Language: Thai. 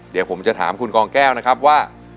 เดี๋ยวผมจะถามคุณกองแก้วนะครับว่า